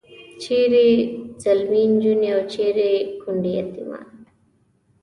چیرې ځلمي نجونې او چیرې کونډې یتیمان.